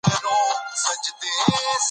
هغه په رواني روغتون کې وخت تیر کړ.